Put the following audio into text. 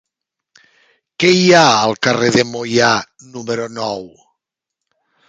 Què hi ha al carrer de Moià número nou?